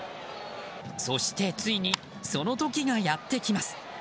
そしてついにその時がやってきます。